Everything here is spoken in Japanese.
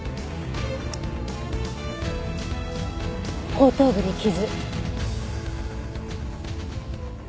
後頭部に傷。